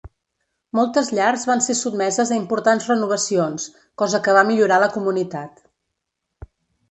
Moltes llars van ser sotmeses a importants renovacions, cosa que va millorar la comunitat.